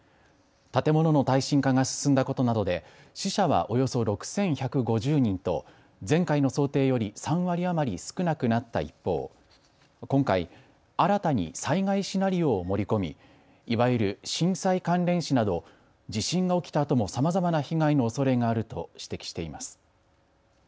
建物の耐震化が進んだことなどで死者はおよそ６１５０人と前回の想定より３割余り少なくなった一方、今回、新たに災害シナリオを盛り込みいわゆる震災関連死など地震が起きたあともさまざまな被害のおそれがあると指摘しています。